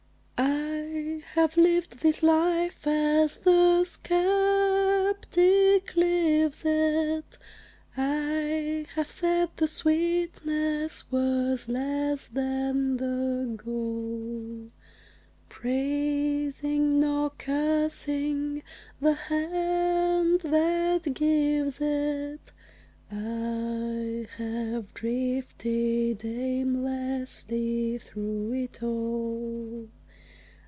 I have lived this life as the skeptic lives it; I have said the sweetness was less than the gall; Praising, nor cursing, the Hand that gives it, I have drifted aimlessly through it all.